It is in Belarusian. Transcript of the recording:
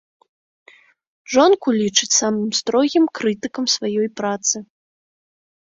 Жонку лічыць самым строгім крытыкам сваёй працы.